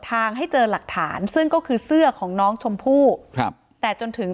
ให้เจอหลักฐานซึ่งก็คือเสื้อของน้องชมพู่ครับแต่จนถึง